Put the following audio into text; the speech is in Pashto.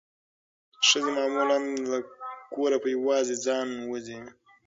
ښځې معمولا له کوره په یوازې ځان نه وځي.